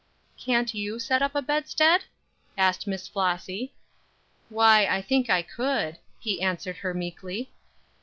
"Can't you set up a bedstead?" asked Miss Flossy. "Why, I think I could," he answered her meekly.